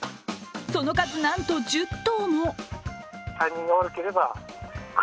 その数、なんと１０頭も。